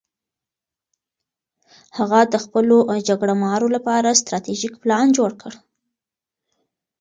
هغه د خپلو جګړه مارو لپاره ستراتیژیک پلان جوړ کړ.